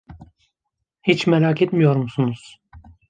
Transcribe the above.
Hiç merak etmiyor musunuz?